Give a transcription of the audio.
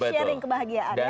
sharing kebahagiaan ya